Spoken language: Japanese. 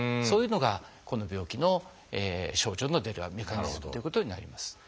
そういうのがこの病気の症状の出るメカニズムということになります。